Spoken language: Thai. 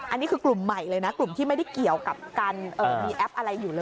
อันนี้คือกลุ่มใหม่เลยนะกลุ่มที่ไม่ได้เกี่ยวกับการมีแอปอะไรอยู่เลย